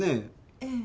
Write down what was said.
ええ。